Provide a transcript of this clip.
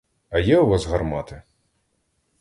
А є у вас гармати?